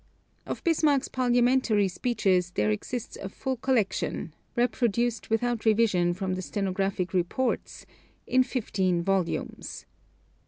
Of Bismarck's parliamentary speeches there exists a full collection (reproduced without revision from the stenographic reports) in fifteen volumes.